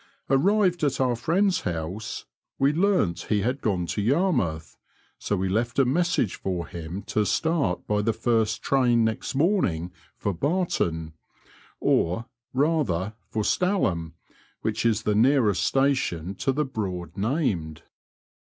Arrived at oar friend's hoase, we learnt he had gone to Yarmoath, so we left a message for him to start by the first train next morning for Barton— or, rather,, for Stalham, which is the nearest station to the Broad named.